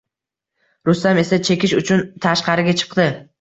Rustam esa chekish uchun tashqariga chiqdi